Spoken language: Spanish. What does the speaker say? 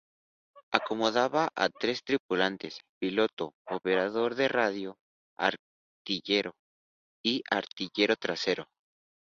Acomodaba a tres tripulantes, piloto, operador de radio-artillero y artillero trasero.